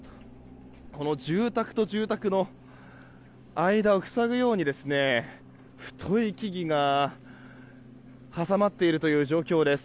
住宅と住宅の間を塞ぐように太い木々が挟まっている状況です。